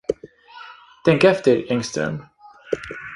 Tänk efter, Engström!